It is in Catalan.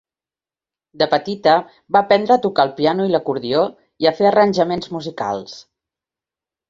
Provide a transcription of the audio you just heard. De petita va aprendre a tocar el piano i l'acordió, i a fer arranjaments musicals.